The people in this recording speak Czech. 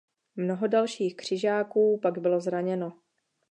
Mnoho dalších křižáků pak bylo zraněno.